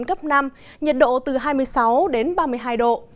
tây nam cấp năm nhiệt độ từ hai mươi sáu đến ba mươi hai độ